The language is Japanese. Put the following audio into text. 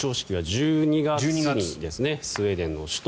１２月ですねスウェーデンの首都